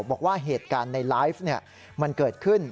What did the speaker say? บอกว่าเหตุการณ์ในไลฟ์มันเกิดขึ้น